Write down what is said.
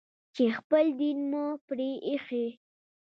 چې خپل دين مو پرې ايښى.